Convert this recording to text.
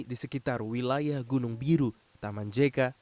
di sekitar wilayah gunung biru taman jk